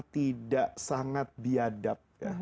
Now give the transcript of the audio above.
tidak sangat biadab